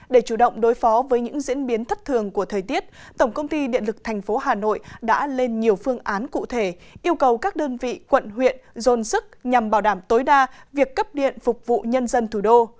để chủ động đối phó với những diễn biến thất thường của thời tiết tổng công ty điện lực thành phố hà nội đã lên nhiều phương án cụ thể yêu cầu các đơn vị quận huyện dồn sức nhằm bảo đảm tối đa việc cấp điện phục vụ nhân dân thủ đô